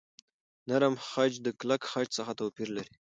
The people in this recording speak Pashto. نرم خج د کلک خج څخه توپیر لري.